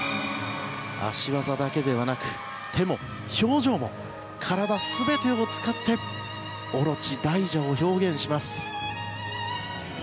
脚技だけではなく手も表情も、体全てを使ってオロチ、大蛇を表現します。